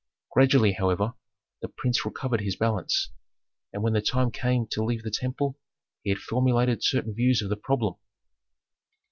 Gradually, however, the prince recovered his balance, and when the time came to leave the temple, he had formulated certain views of the problem.